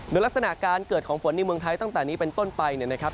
โดยลักษณะการเกิดของฝนในเมืองไทยตั้งแต่นี้เป็นต้นไปเนี่ยนะครับ